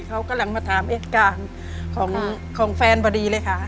เขากำลังมาถามเหตุการณ์ของแฟนพอดีเลยค่ะ